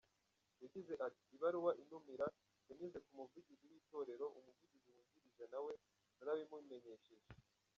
Yagize ati “Ibaruwa intumira yanyuze ku Muvugizi w’Itorero, Umuvugizi wungirije nawe narabimumenyesheje.